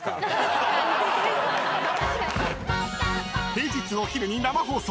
［平日お昼に生放送］